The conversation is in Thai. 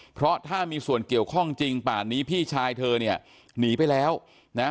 เพราะถ้ามีส่วนเกี่ยวข้องจริงป่านนี้พี่ชายเธอเนี่ยหนีไปแล้วนะฮะ